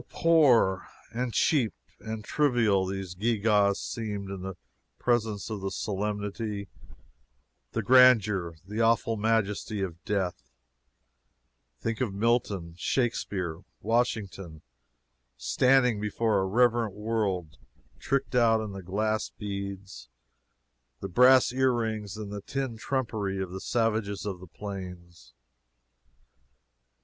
How poor, and cheap, and trivial these gew gaws seemed in presence of the solemnity, the grandeur, the awful majesty of Death! Think of Milton, Shakespeare, Washington, standing before a reverent world tricked out in the glass beads, the brass ear rings and tin trumpery of the savages of the plains!